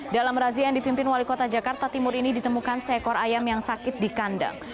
dalam razia yang dipimpin wali kota jakarta timur ini ditemukan seekor ayam yang sakit di kandang